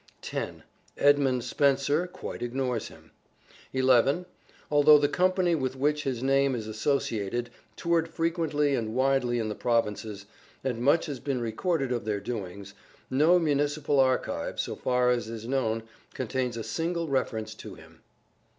10. Edmund Spenser quite ignores him. 11. Although the company with which his name is associated toured frequently and widely in the provinces, and much has been recorded of their doings, no municipal archive, so far as is known, contains a single reference to him.